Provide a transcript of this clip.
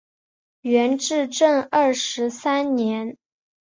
元至正二十三年。